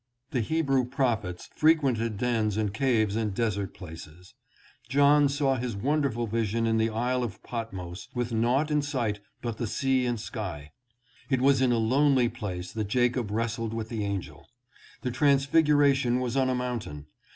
The Hebrew prophets frequented dens and caves and desert places. John 708 LIFE IN THE EAST. saw his wonderful vision in the Isle of Patmos with naught in sight but the sea and sky. It was in a lonely place that Jacob wrestled with the angel. The Trans figuration was on a mountain.